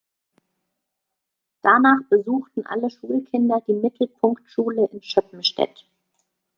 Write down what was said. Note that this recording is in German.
Danach besuchten alle Schulkinder die Mittelpunktschule in Schöppenstedt.